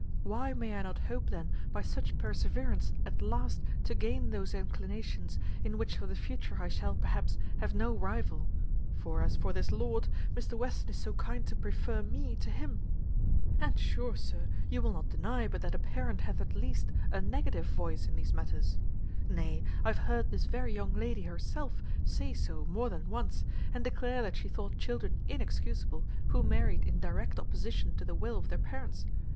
Why may I not hope then by such perseverance at last to gain those inclinations, in which for the future I shall, perhaps, have no rival; for as for this lord, Mr Western is so kind to prefer me to him; and sure, sir, you will not deny but that a parent hath at least a negative voice in these matters; nay, I have heard this very young lady herself say so more than once, and declare that she thought children inexcusable who married in direct opposition to the will of their parents.